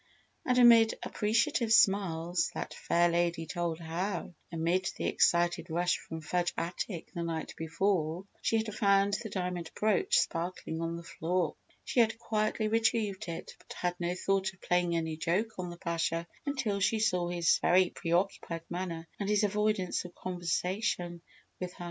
And amid appreciative smiles, that fair lady told how, amid the excited rush from Fudge Attic the night before, she had found the diamond brooch sparkling on the floor. She had quietly retrieved it but had no thought of playing any joke on the Pasha until she saw his very preoccupied manner and his avoidance of conversation with her.